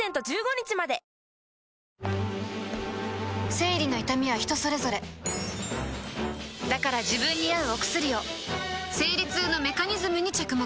生理の痛みは人それぞれだから自分に合うお薬を生理痛のメカニズムに着目